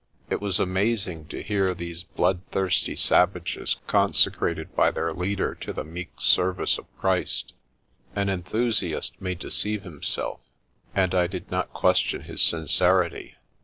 It was amazing to hear these bloodthirsty savages consecrated by their leader to the meek service of Christ. An enthusiast may deceive himself, and I did not question his sincerity.